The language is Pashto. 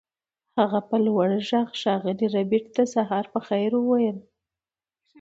هغه په لوړ غږ ښاغلي ربیټ ته سهار په خیر وویل